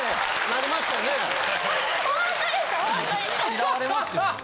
嫌われますよ。